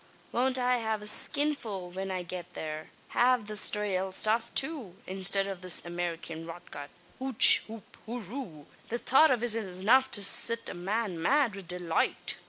Won't I have a skinful when I get thare av the raal stuff too, instid of this Amerikyan rotgut! Hooch hoop horoo! The thought av it's enough to sit a man mad wid deloight.